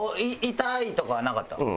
痛いとかはなかった？